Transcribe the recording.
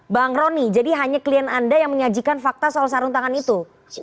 bang rony jadi hanya klien anda yang menyajikan fakta soal sarung tangan itu